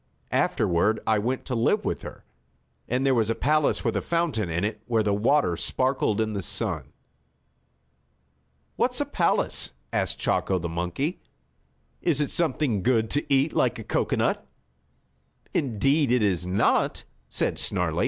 Afterward I went to live with her, and there was a palace, with a fountain in it where the water sparkled in the sun." "What's a palace?" asked Chako, the monkey. "Is it something good to eat, like a cocoanut?" "Indeed it is not," said Snarlie.